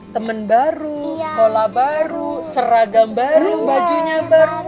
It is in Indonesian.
teman baru sekolah baru seragam baru bajunya baru